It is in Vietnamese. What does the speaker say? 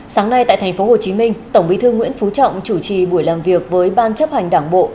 sáng nay tại tp hcm tổng bí thư nguyễn phú trọng chủ trì buổi làm việc với ban chấp hành đảng bộ